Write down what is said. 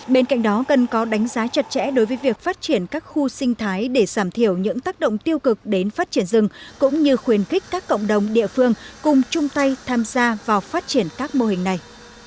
bên cạnh đó cần có đánh giá chặt chẽ đối với việc phát triển các khu sinh thái để giảm thiểu những tác động tiêu cực đến phát triển rừng cũng như khuyến khích các cộng đồng địa phương cùng chung tay tham gia vào phát triển các mô hình này